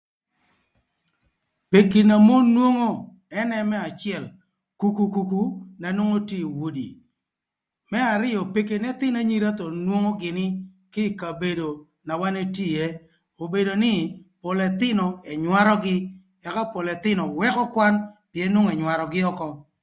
Peki na mon nwongo ënë më acël kuku na nwongo tye ï udi, më arïö peki n'ëthïn ënyïra thon nwongo gïnï kï ï kabedo na wan etye ïë obedo nï pol ëthïnö ënywarögï ëka pol ëthïnö wëkö kwan pïën nwongo ënywarögï ökö.